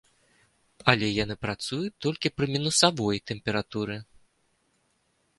Але яны працуюць толькі пры мінусавой тэмпературы.